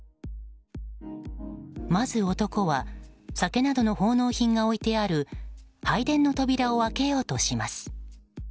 まず、男は酒などの奉納品が置いてある拝殿の扉を開けようとします。